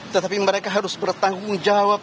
tetapi mereka harus bertanggung jawab